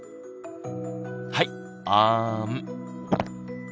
はいあん。